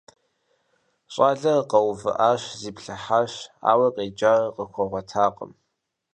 Щӏалэр къэувыӀащ, зиплъыхьащ, ауэ къеджар къыхуэгъуэтакъым.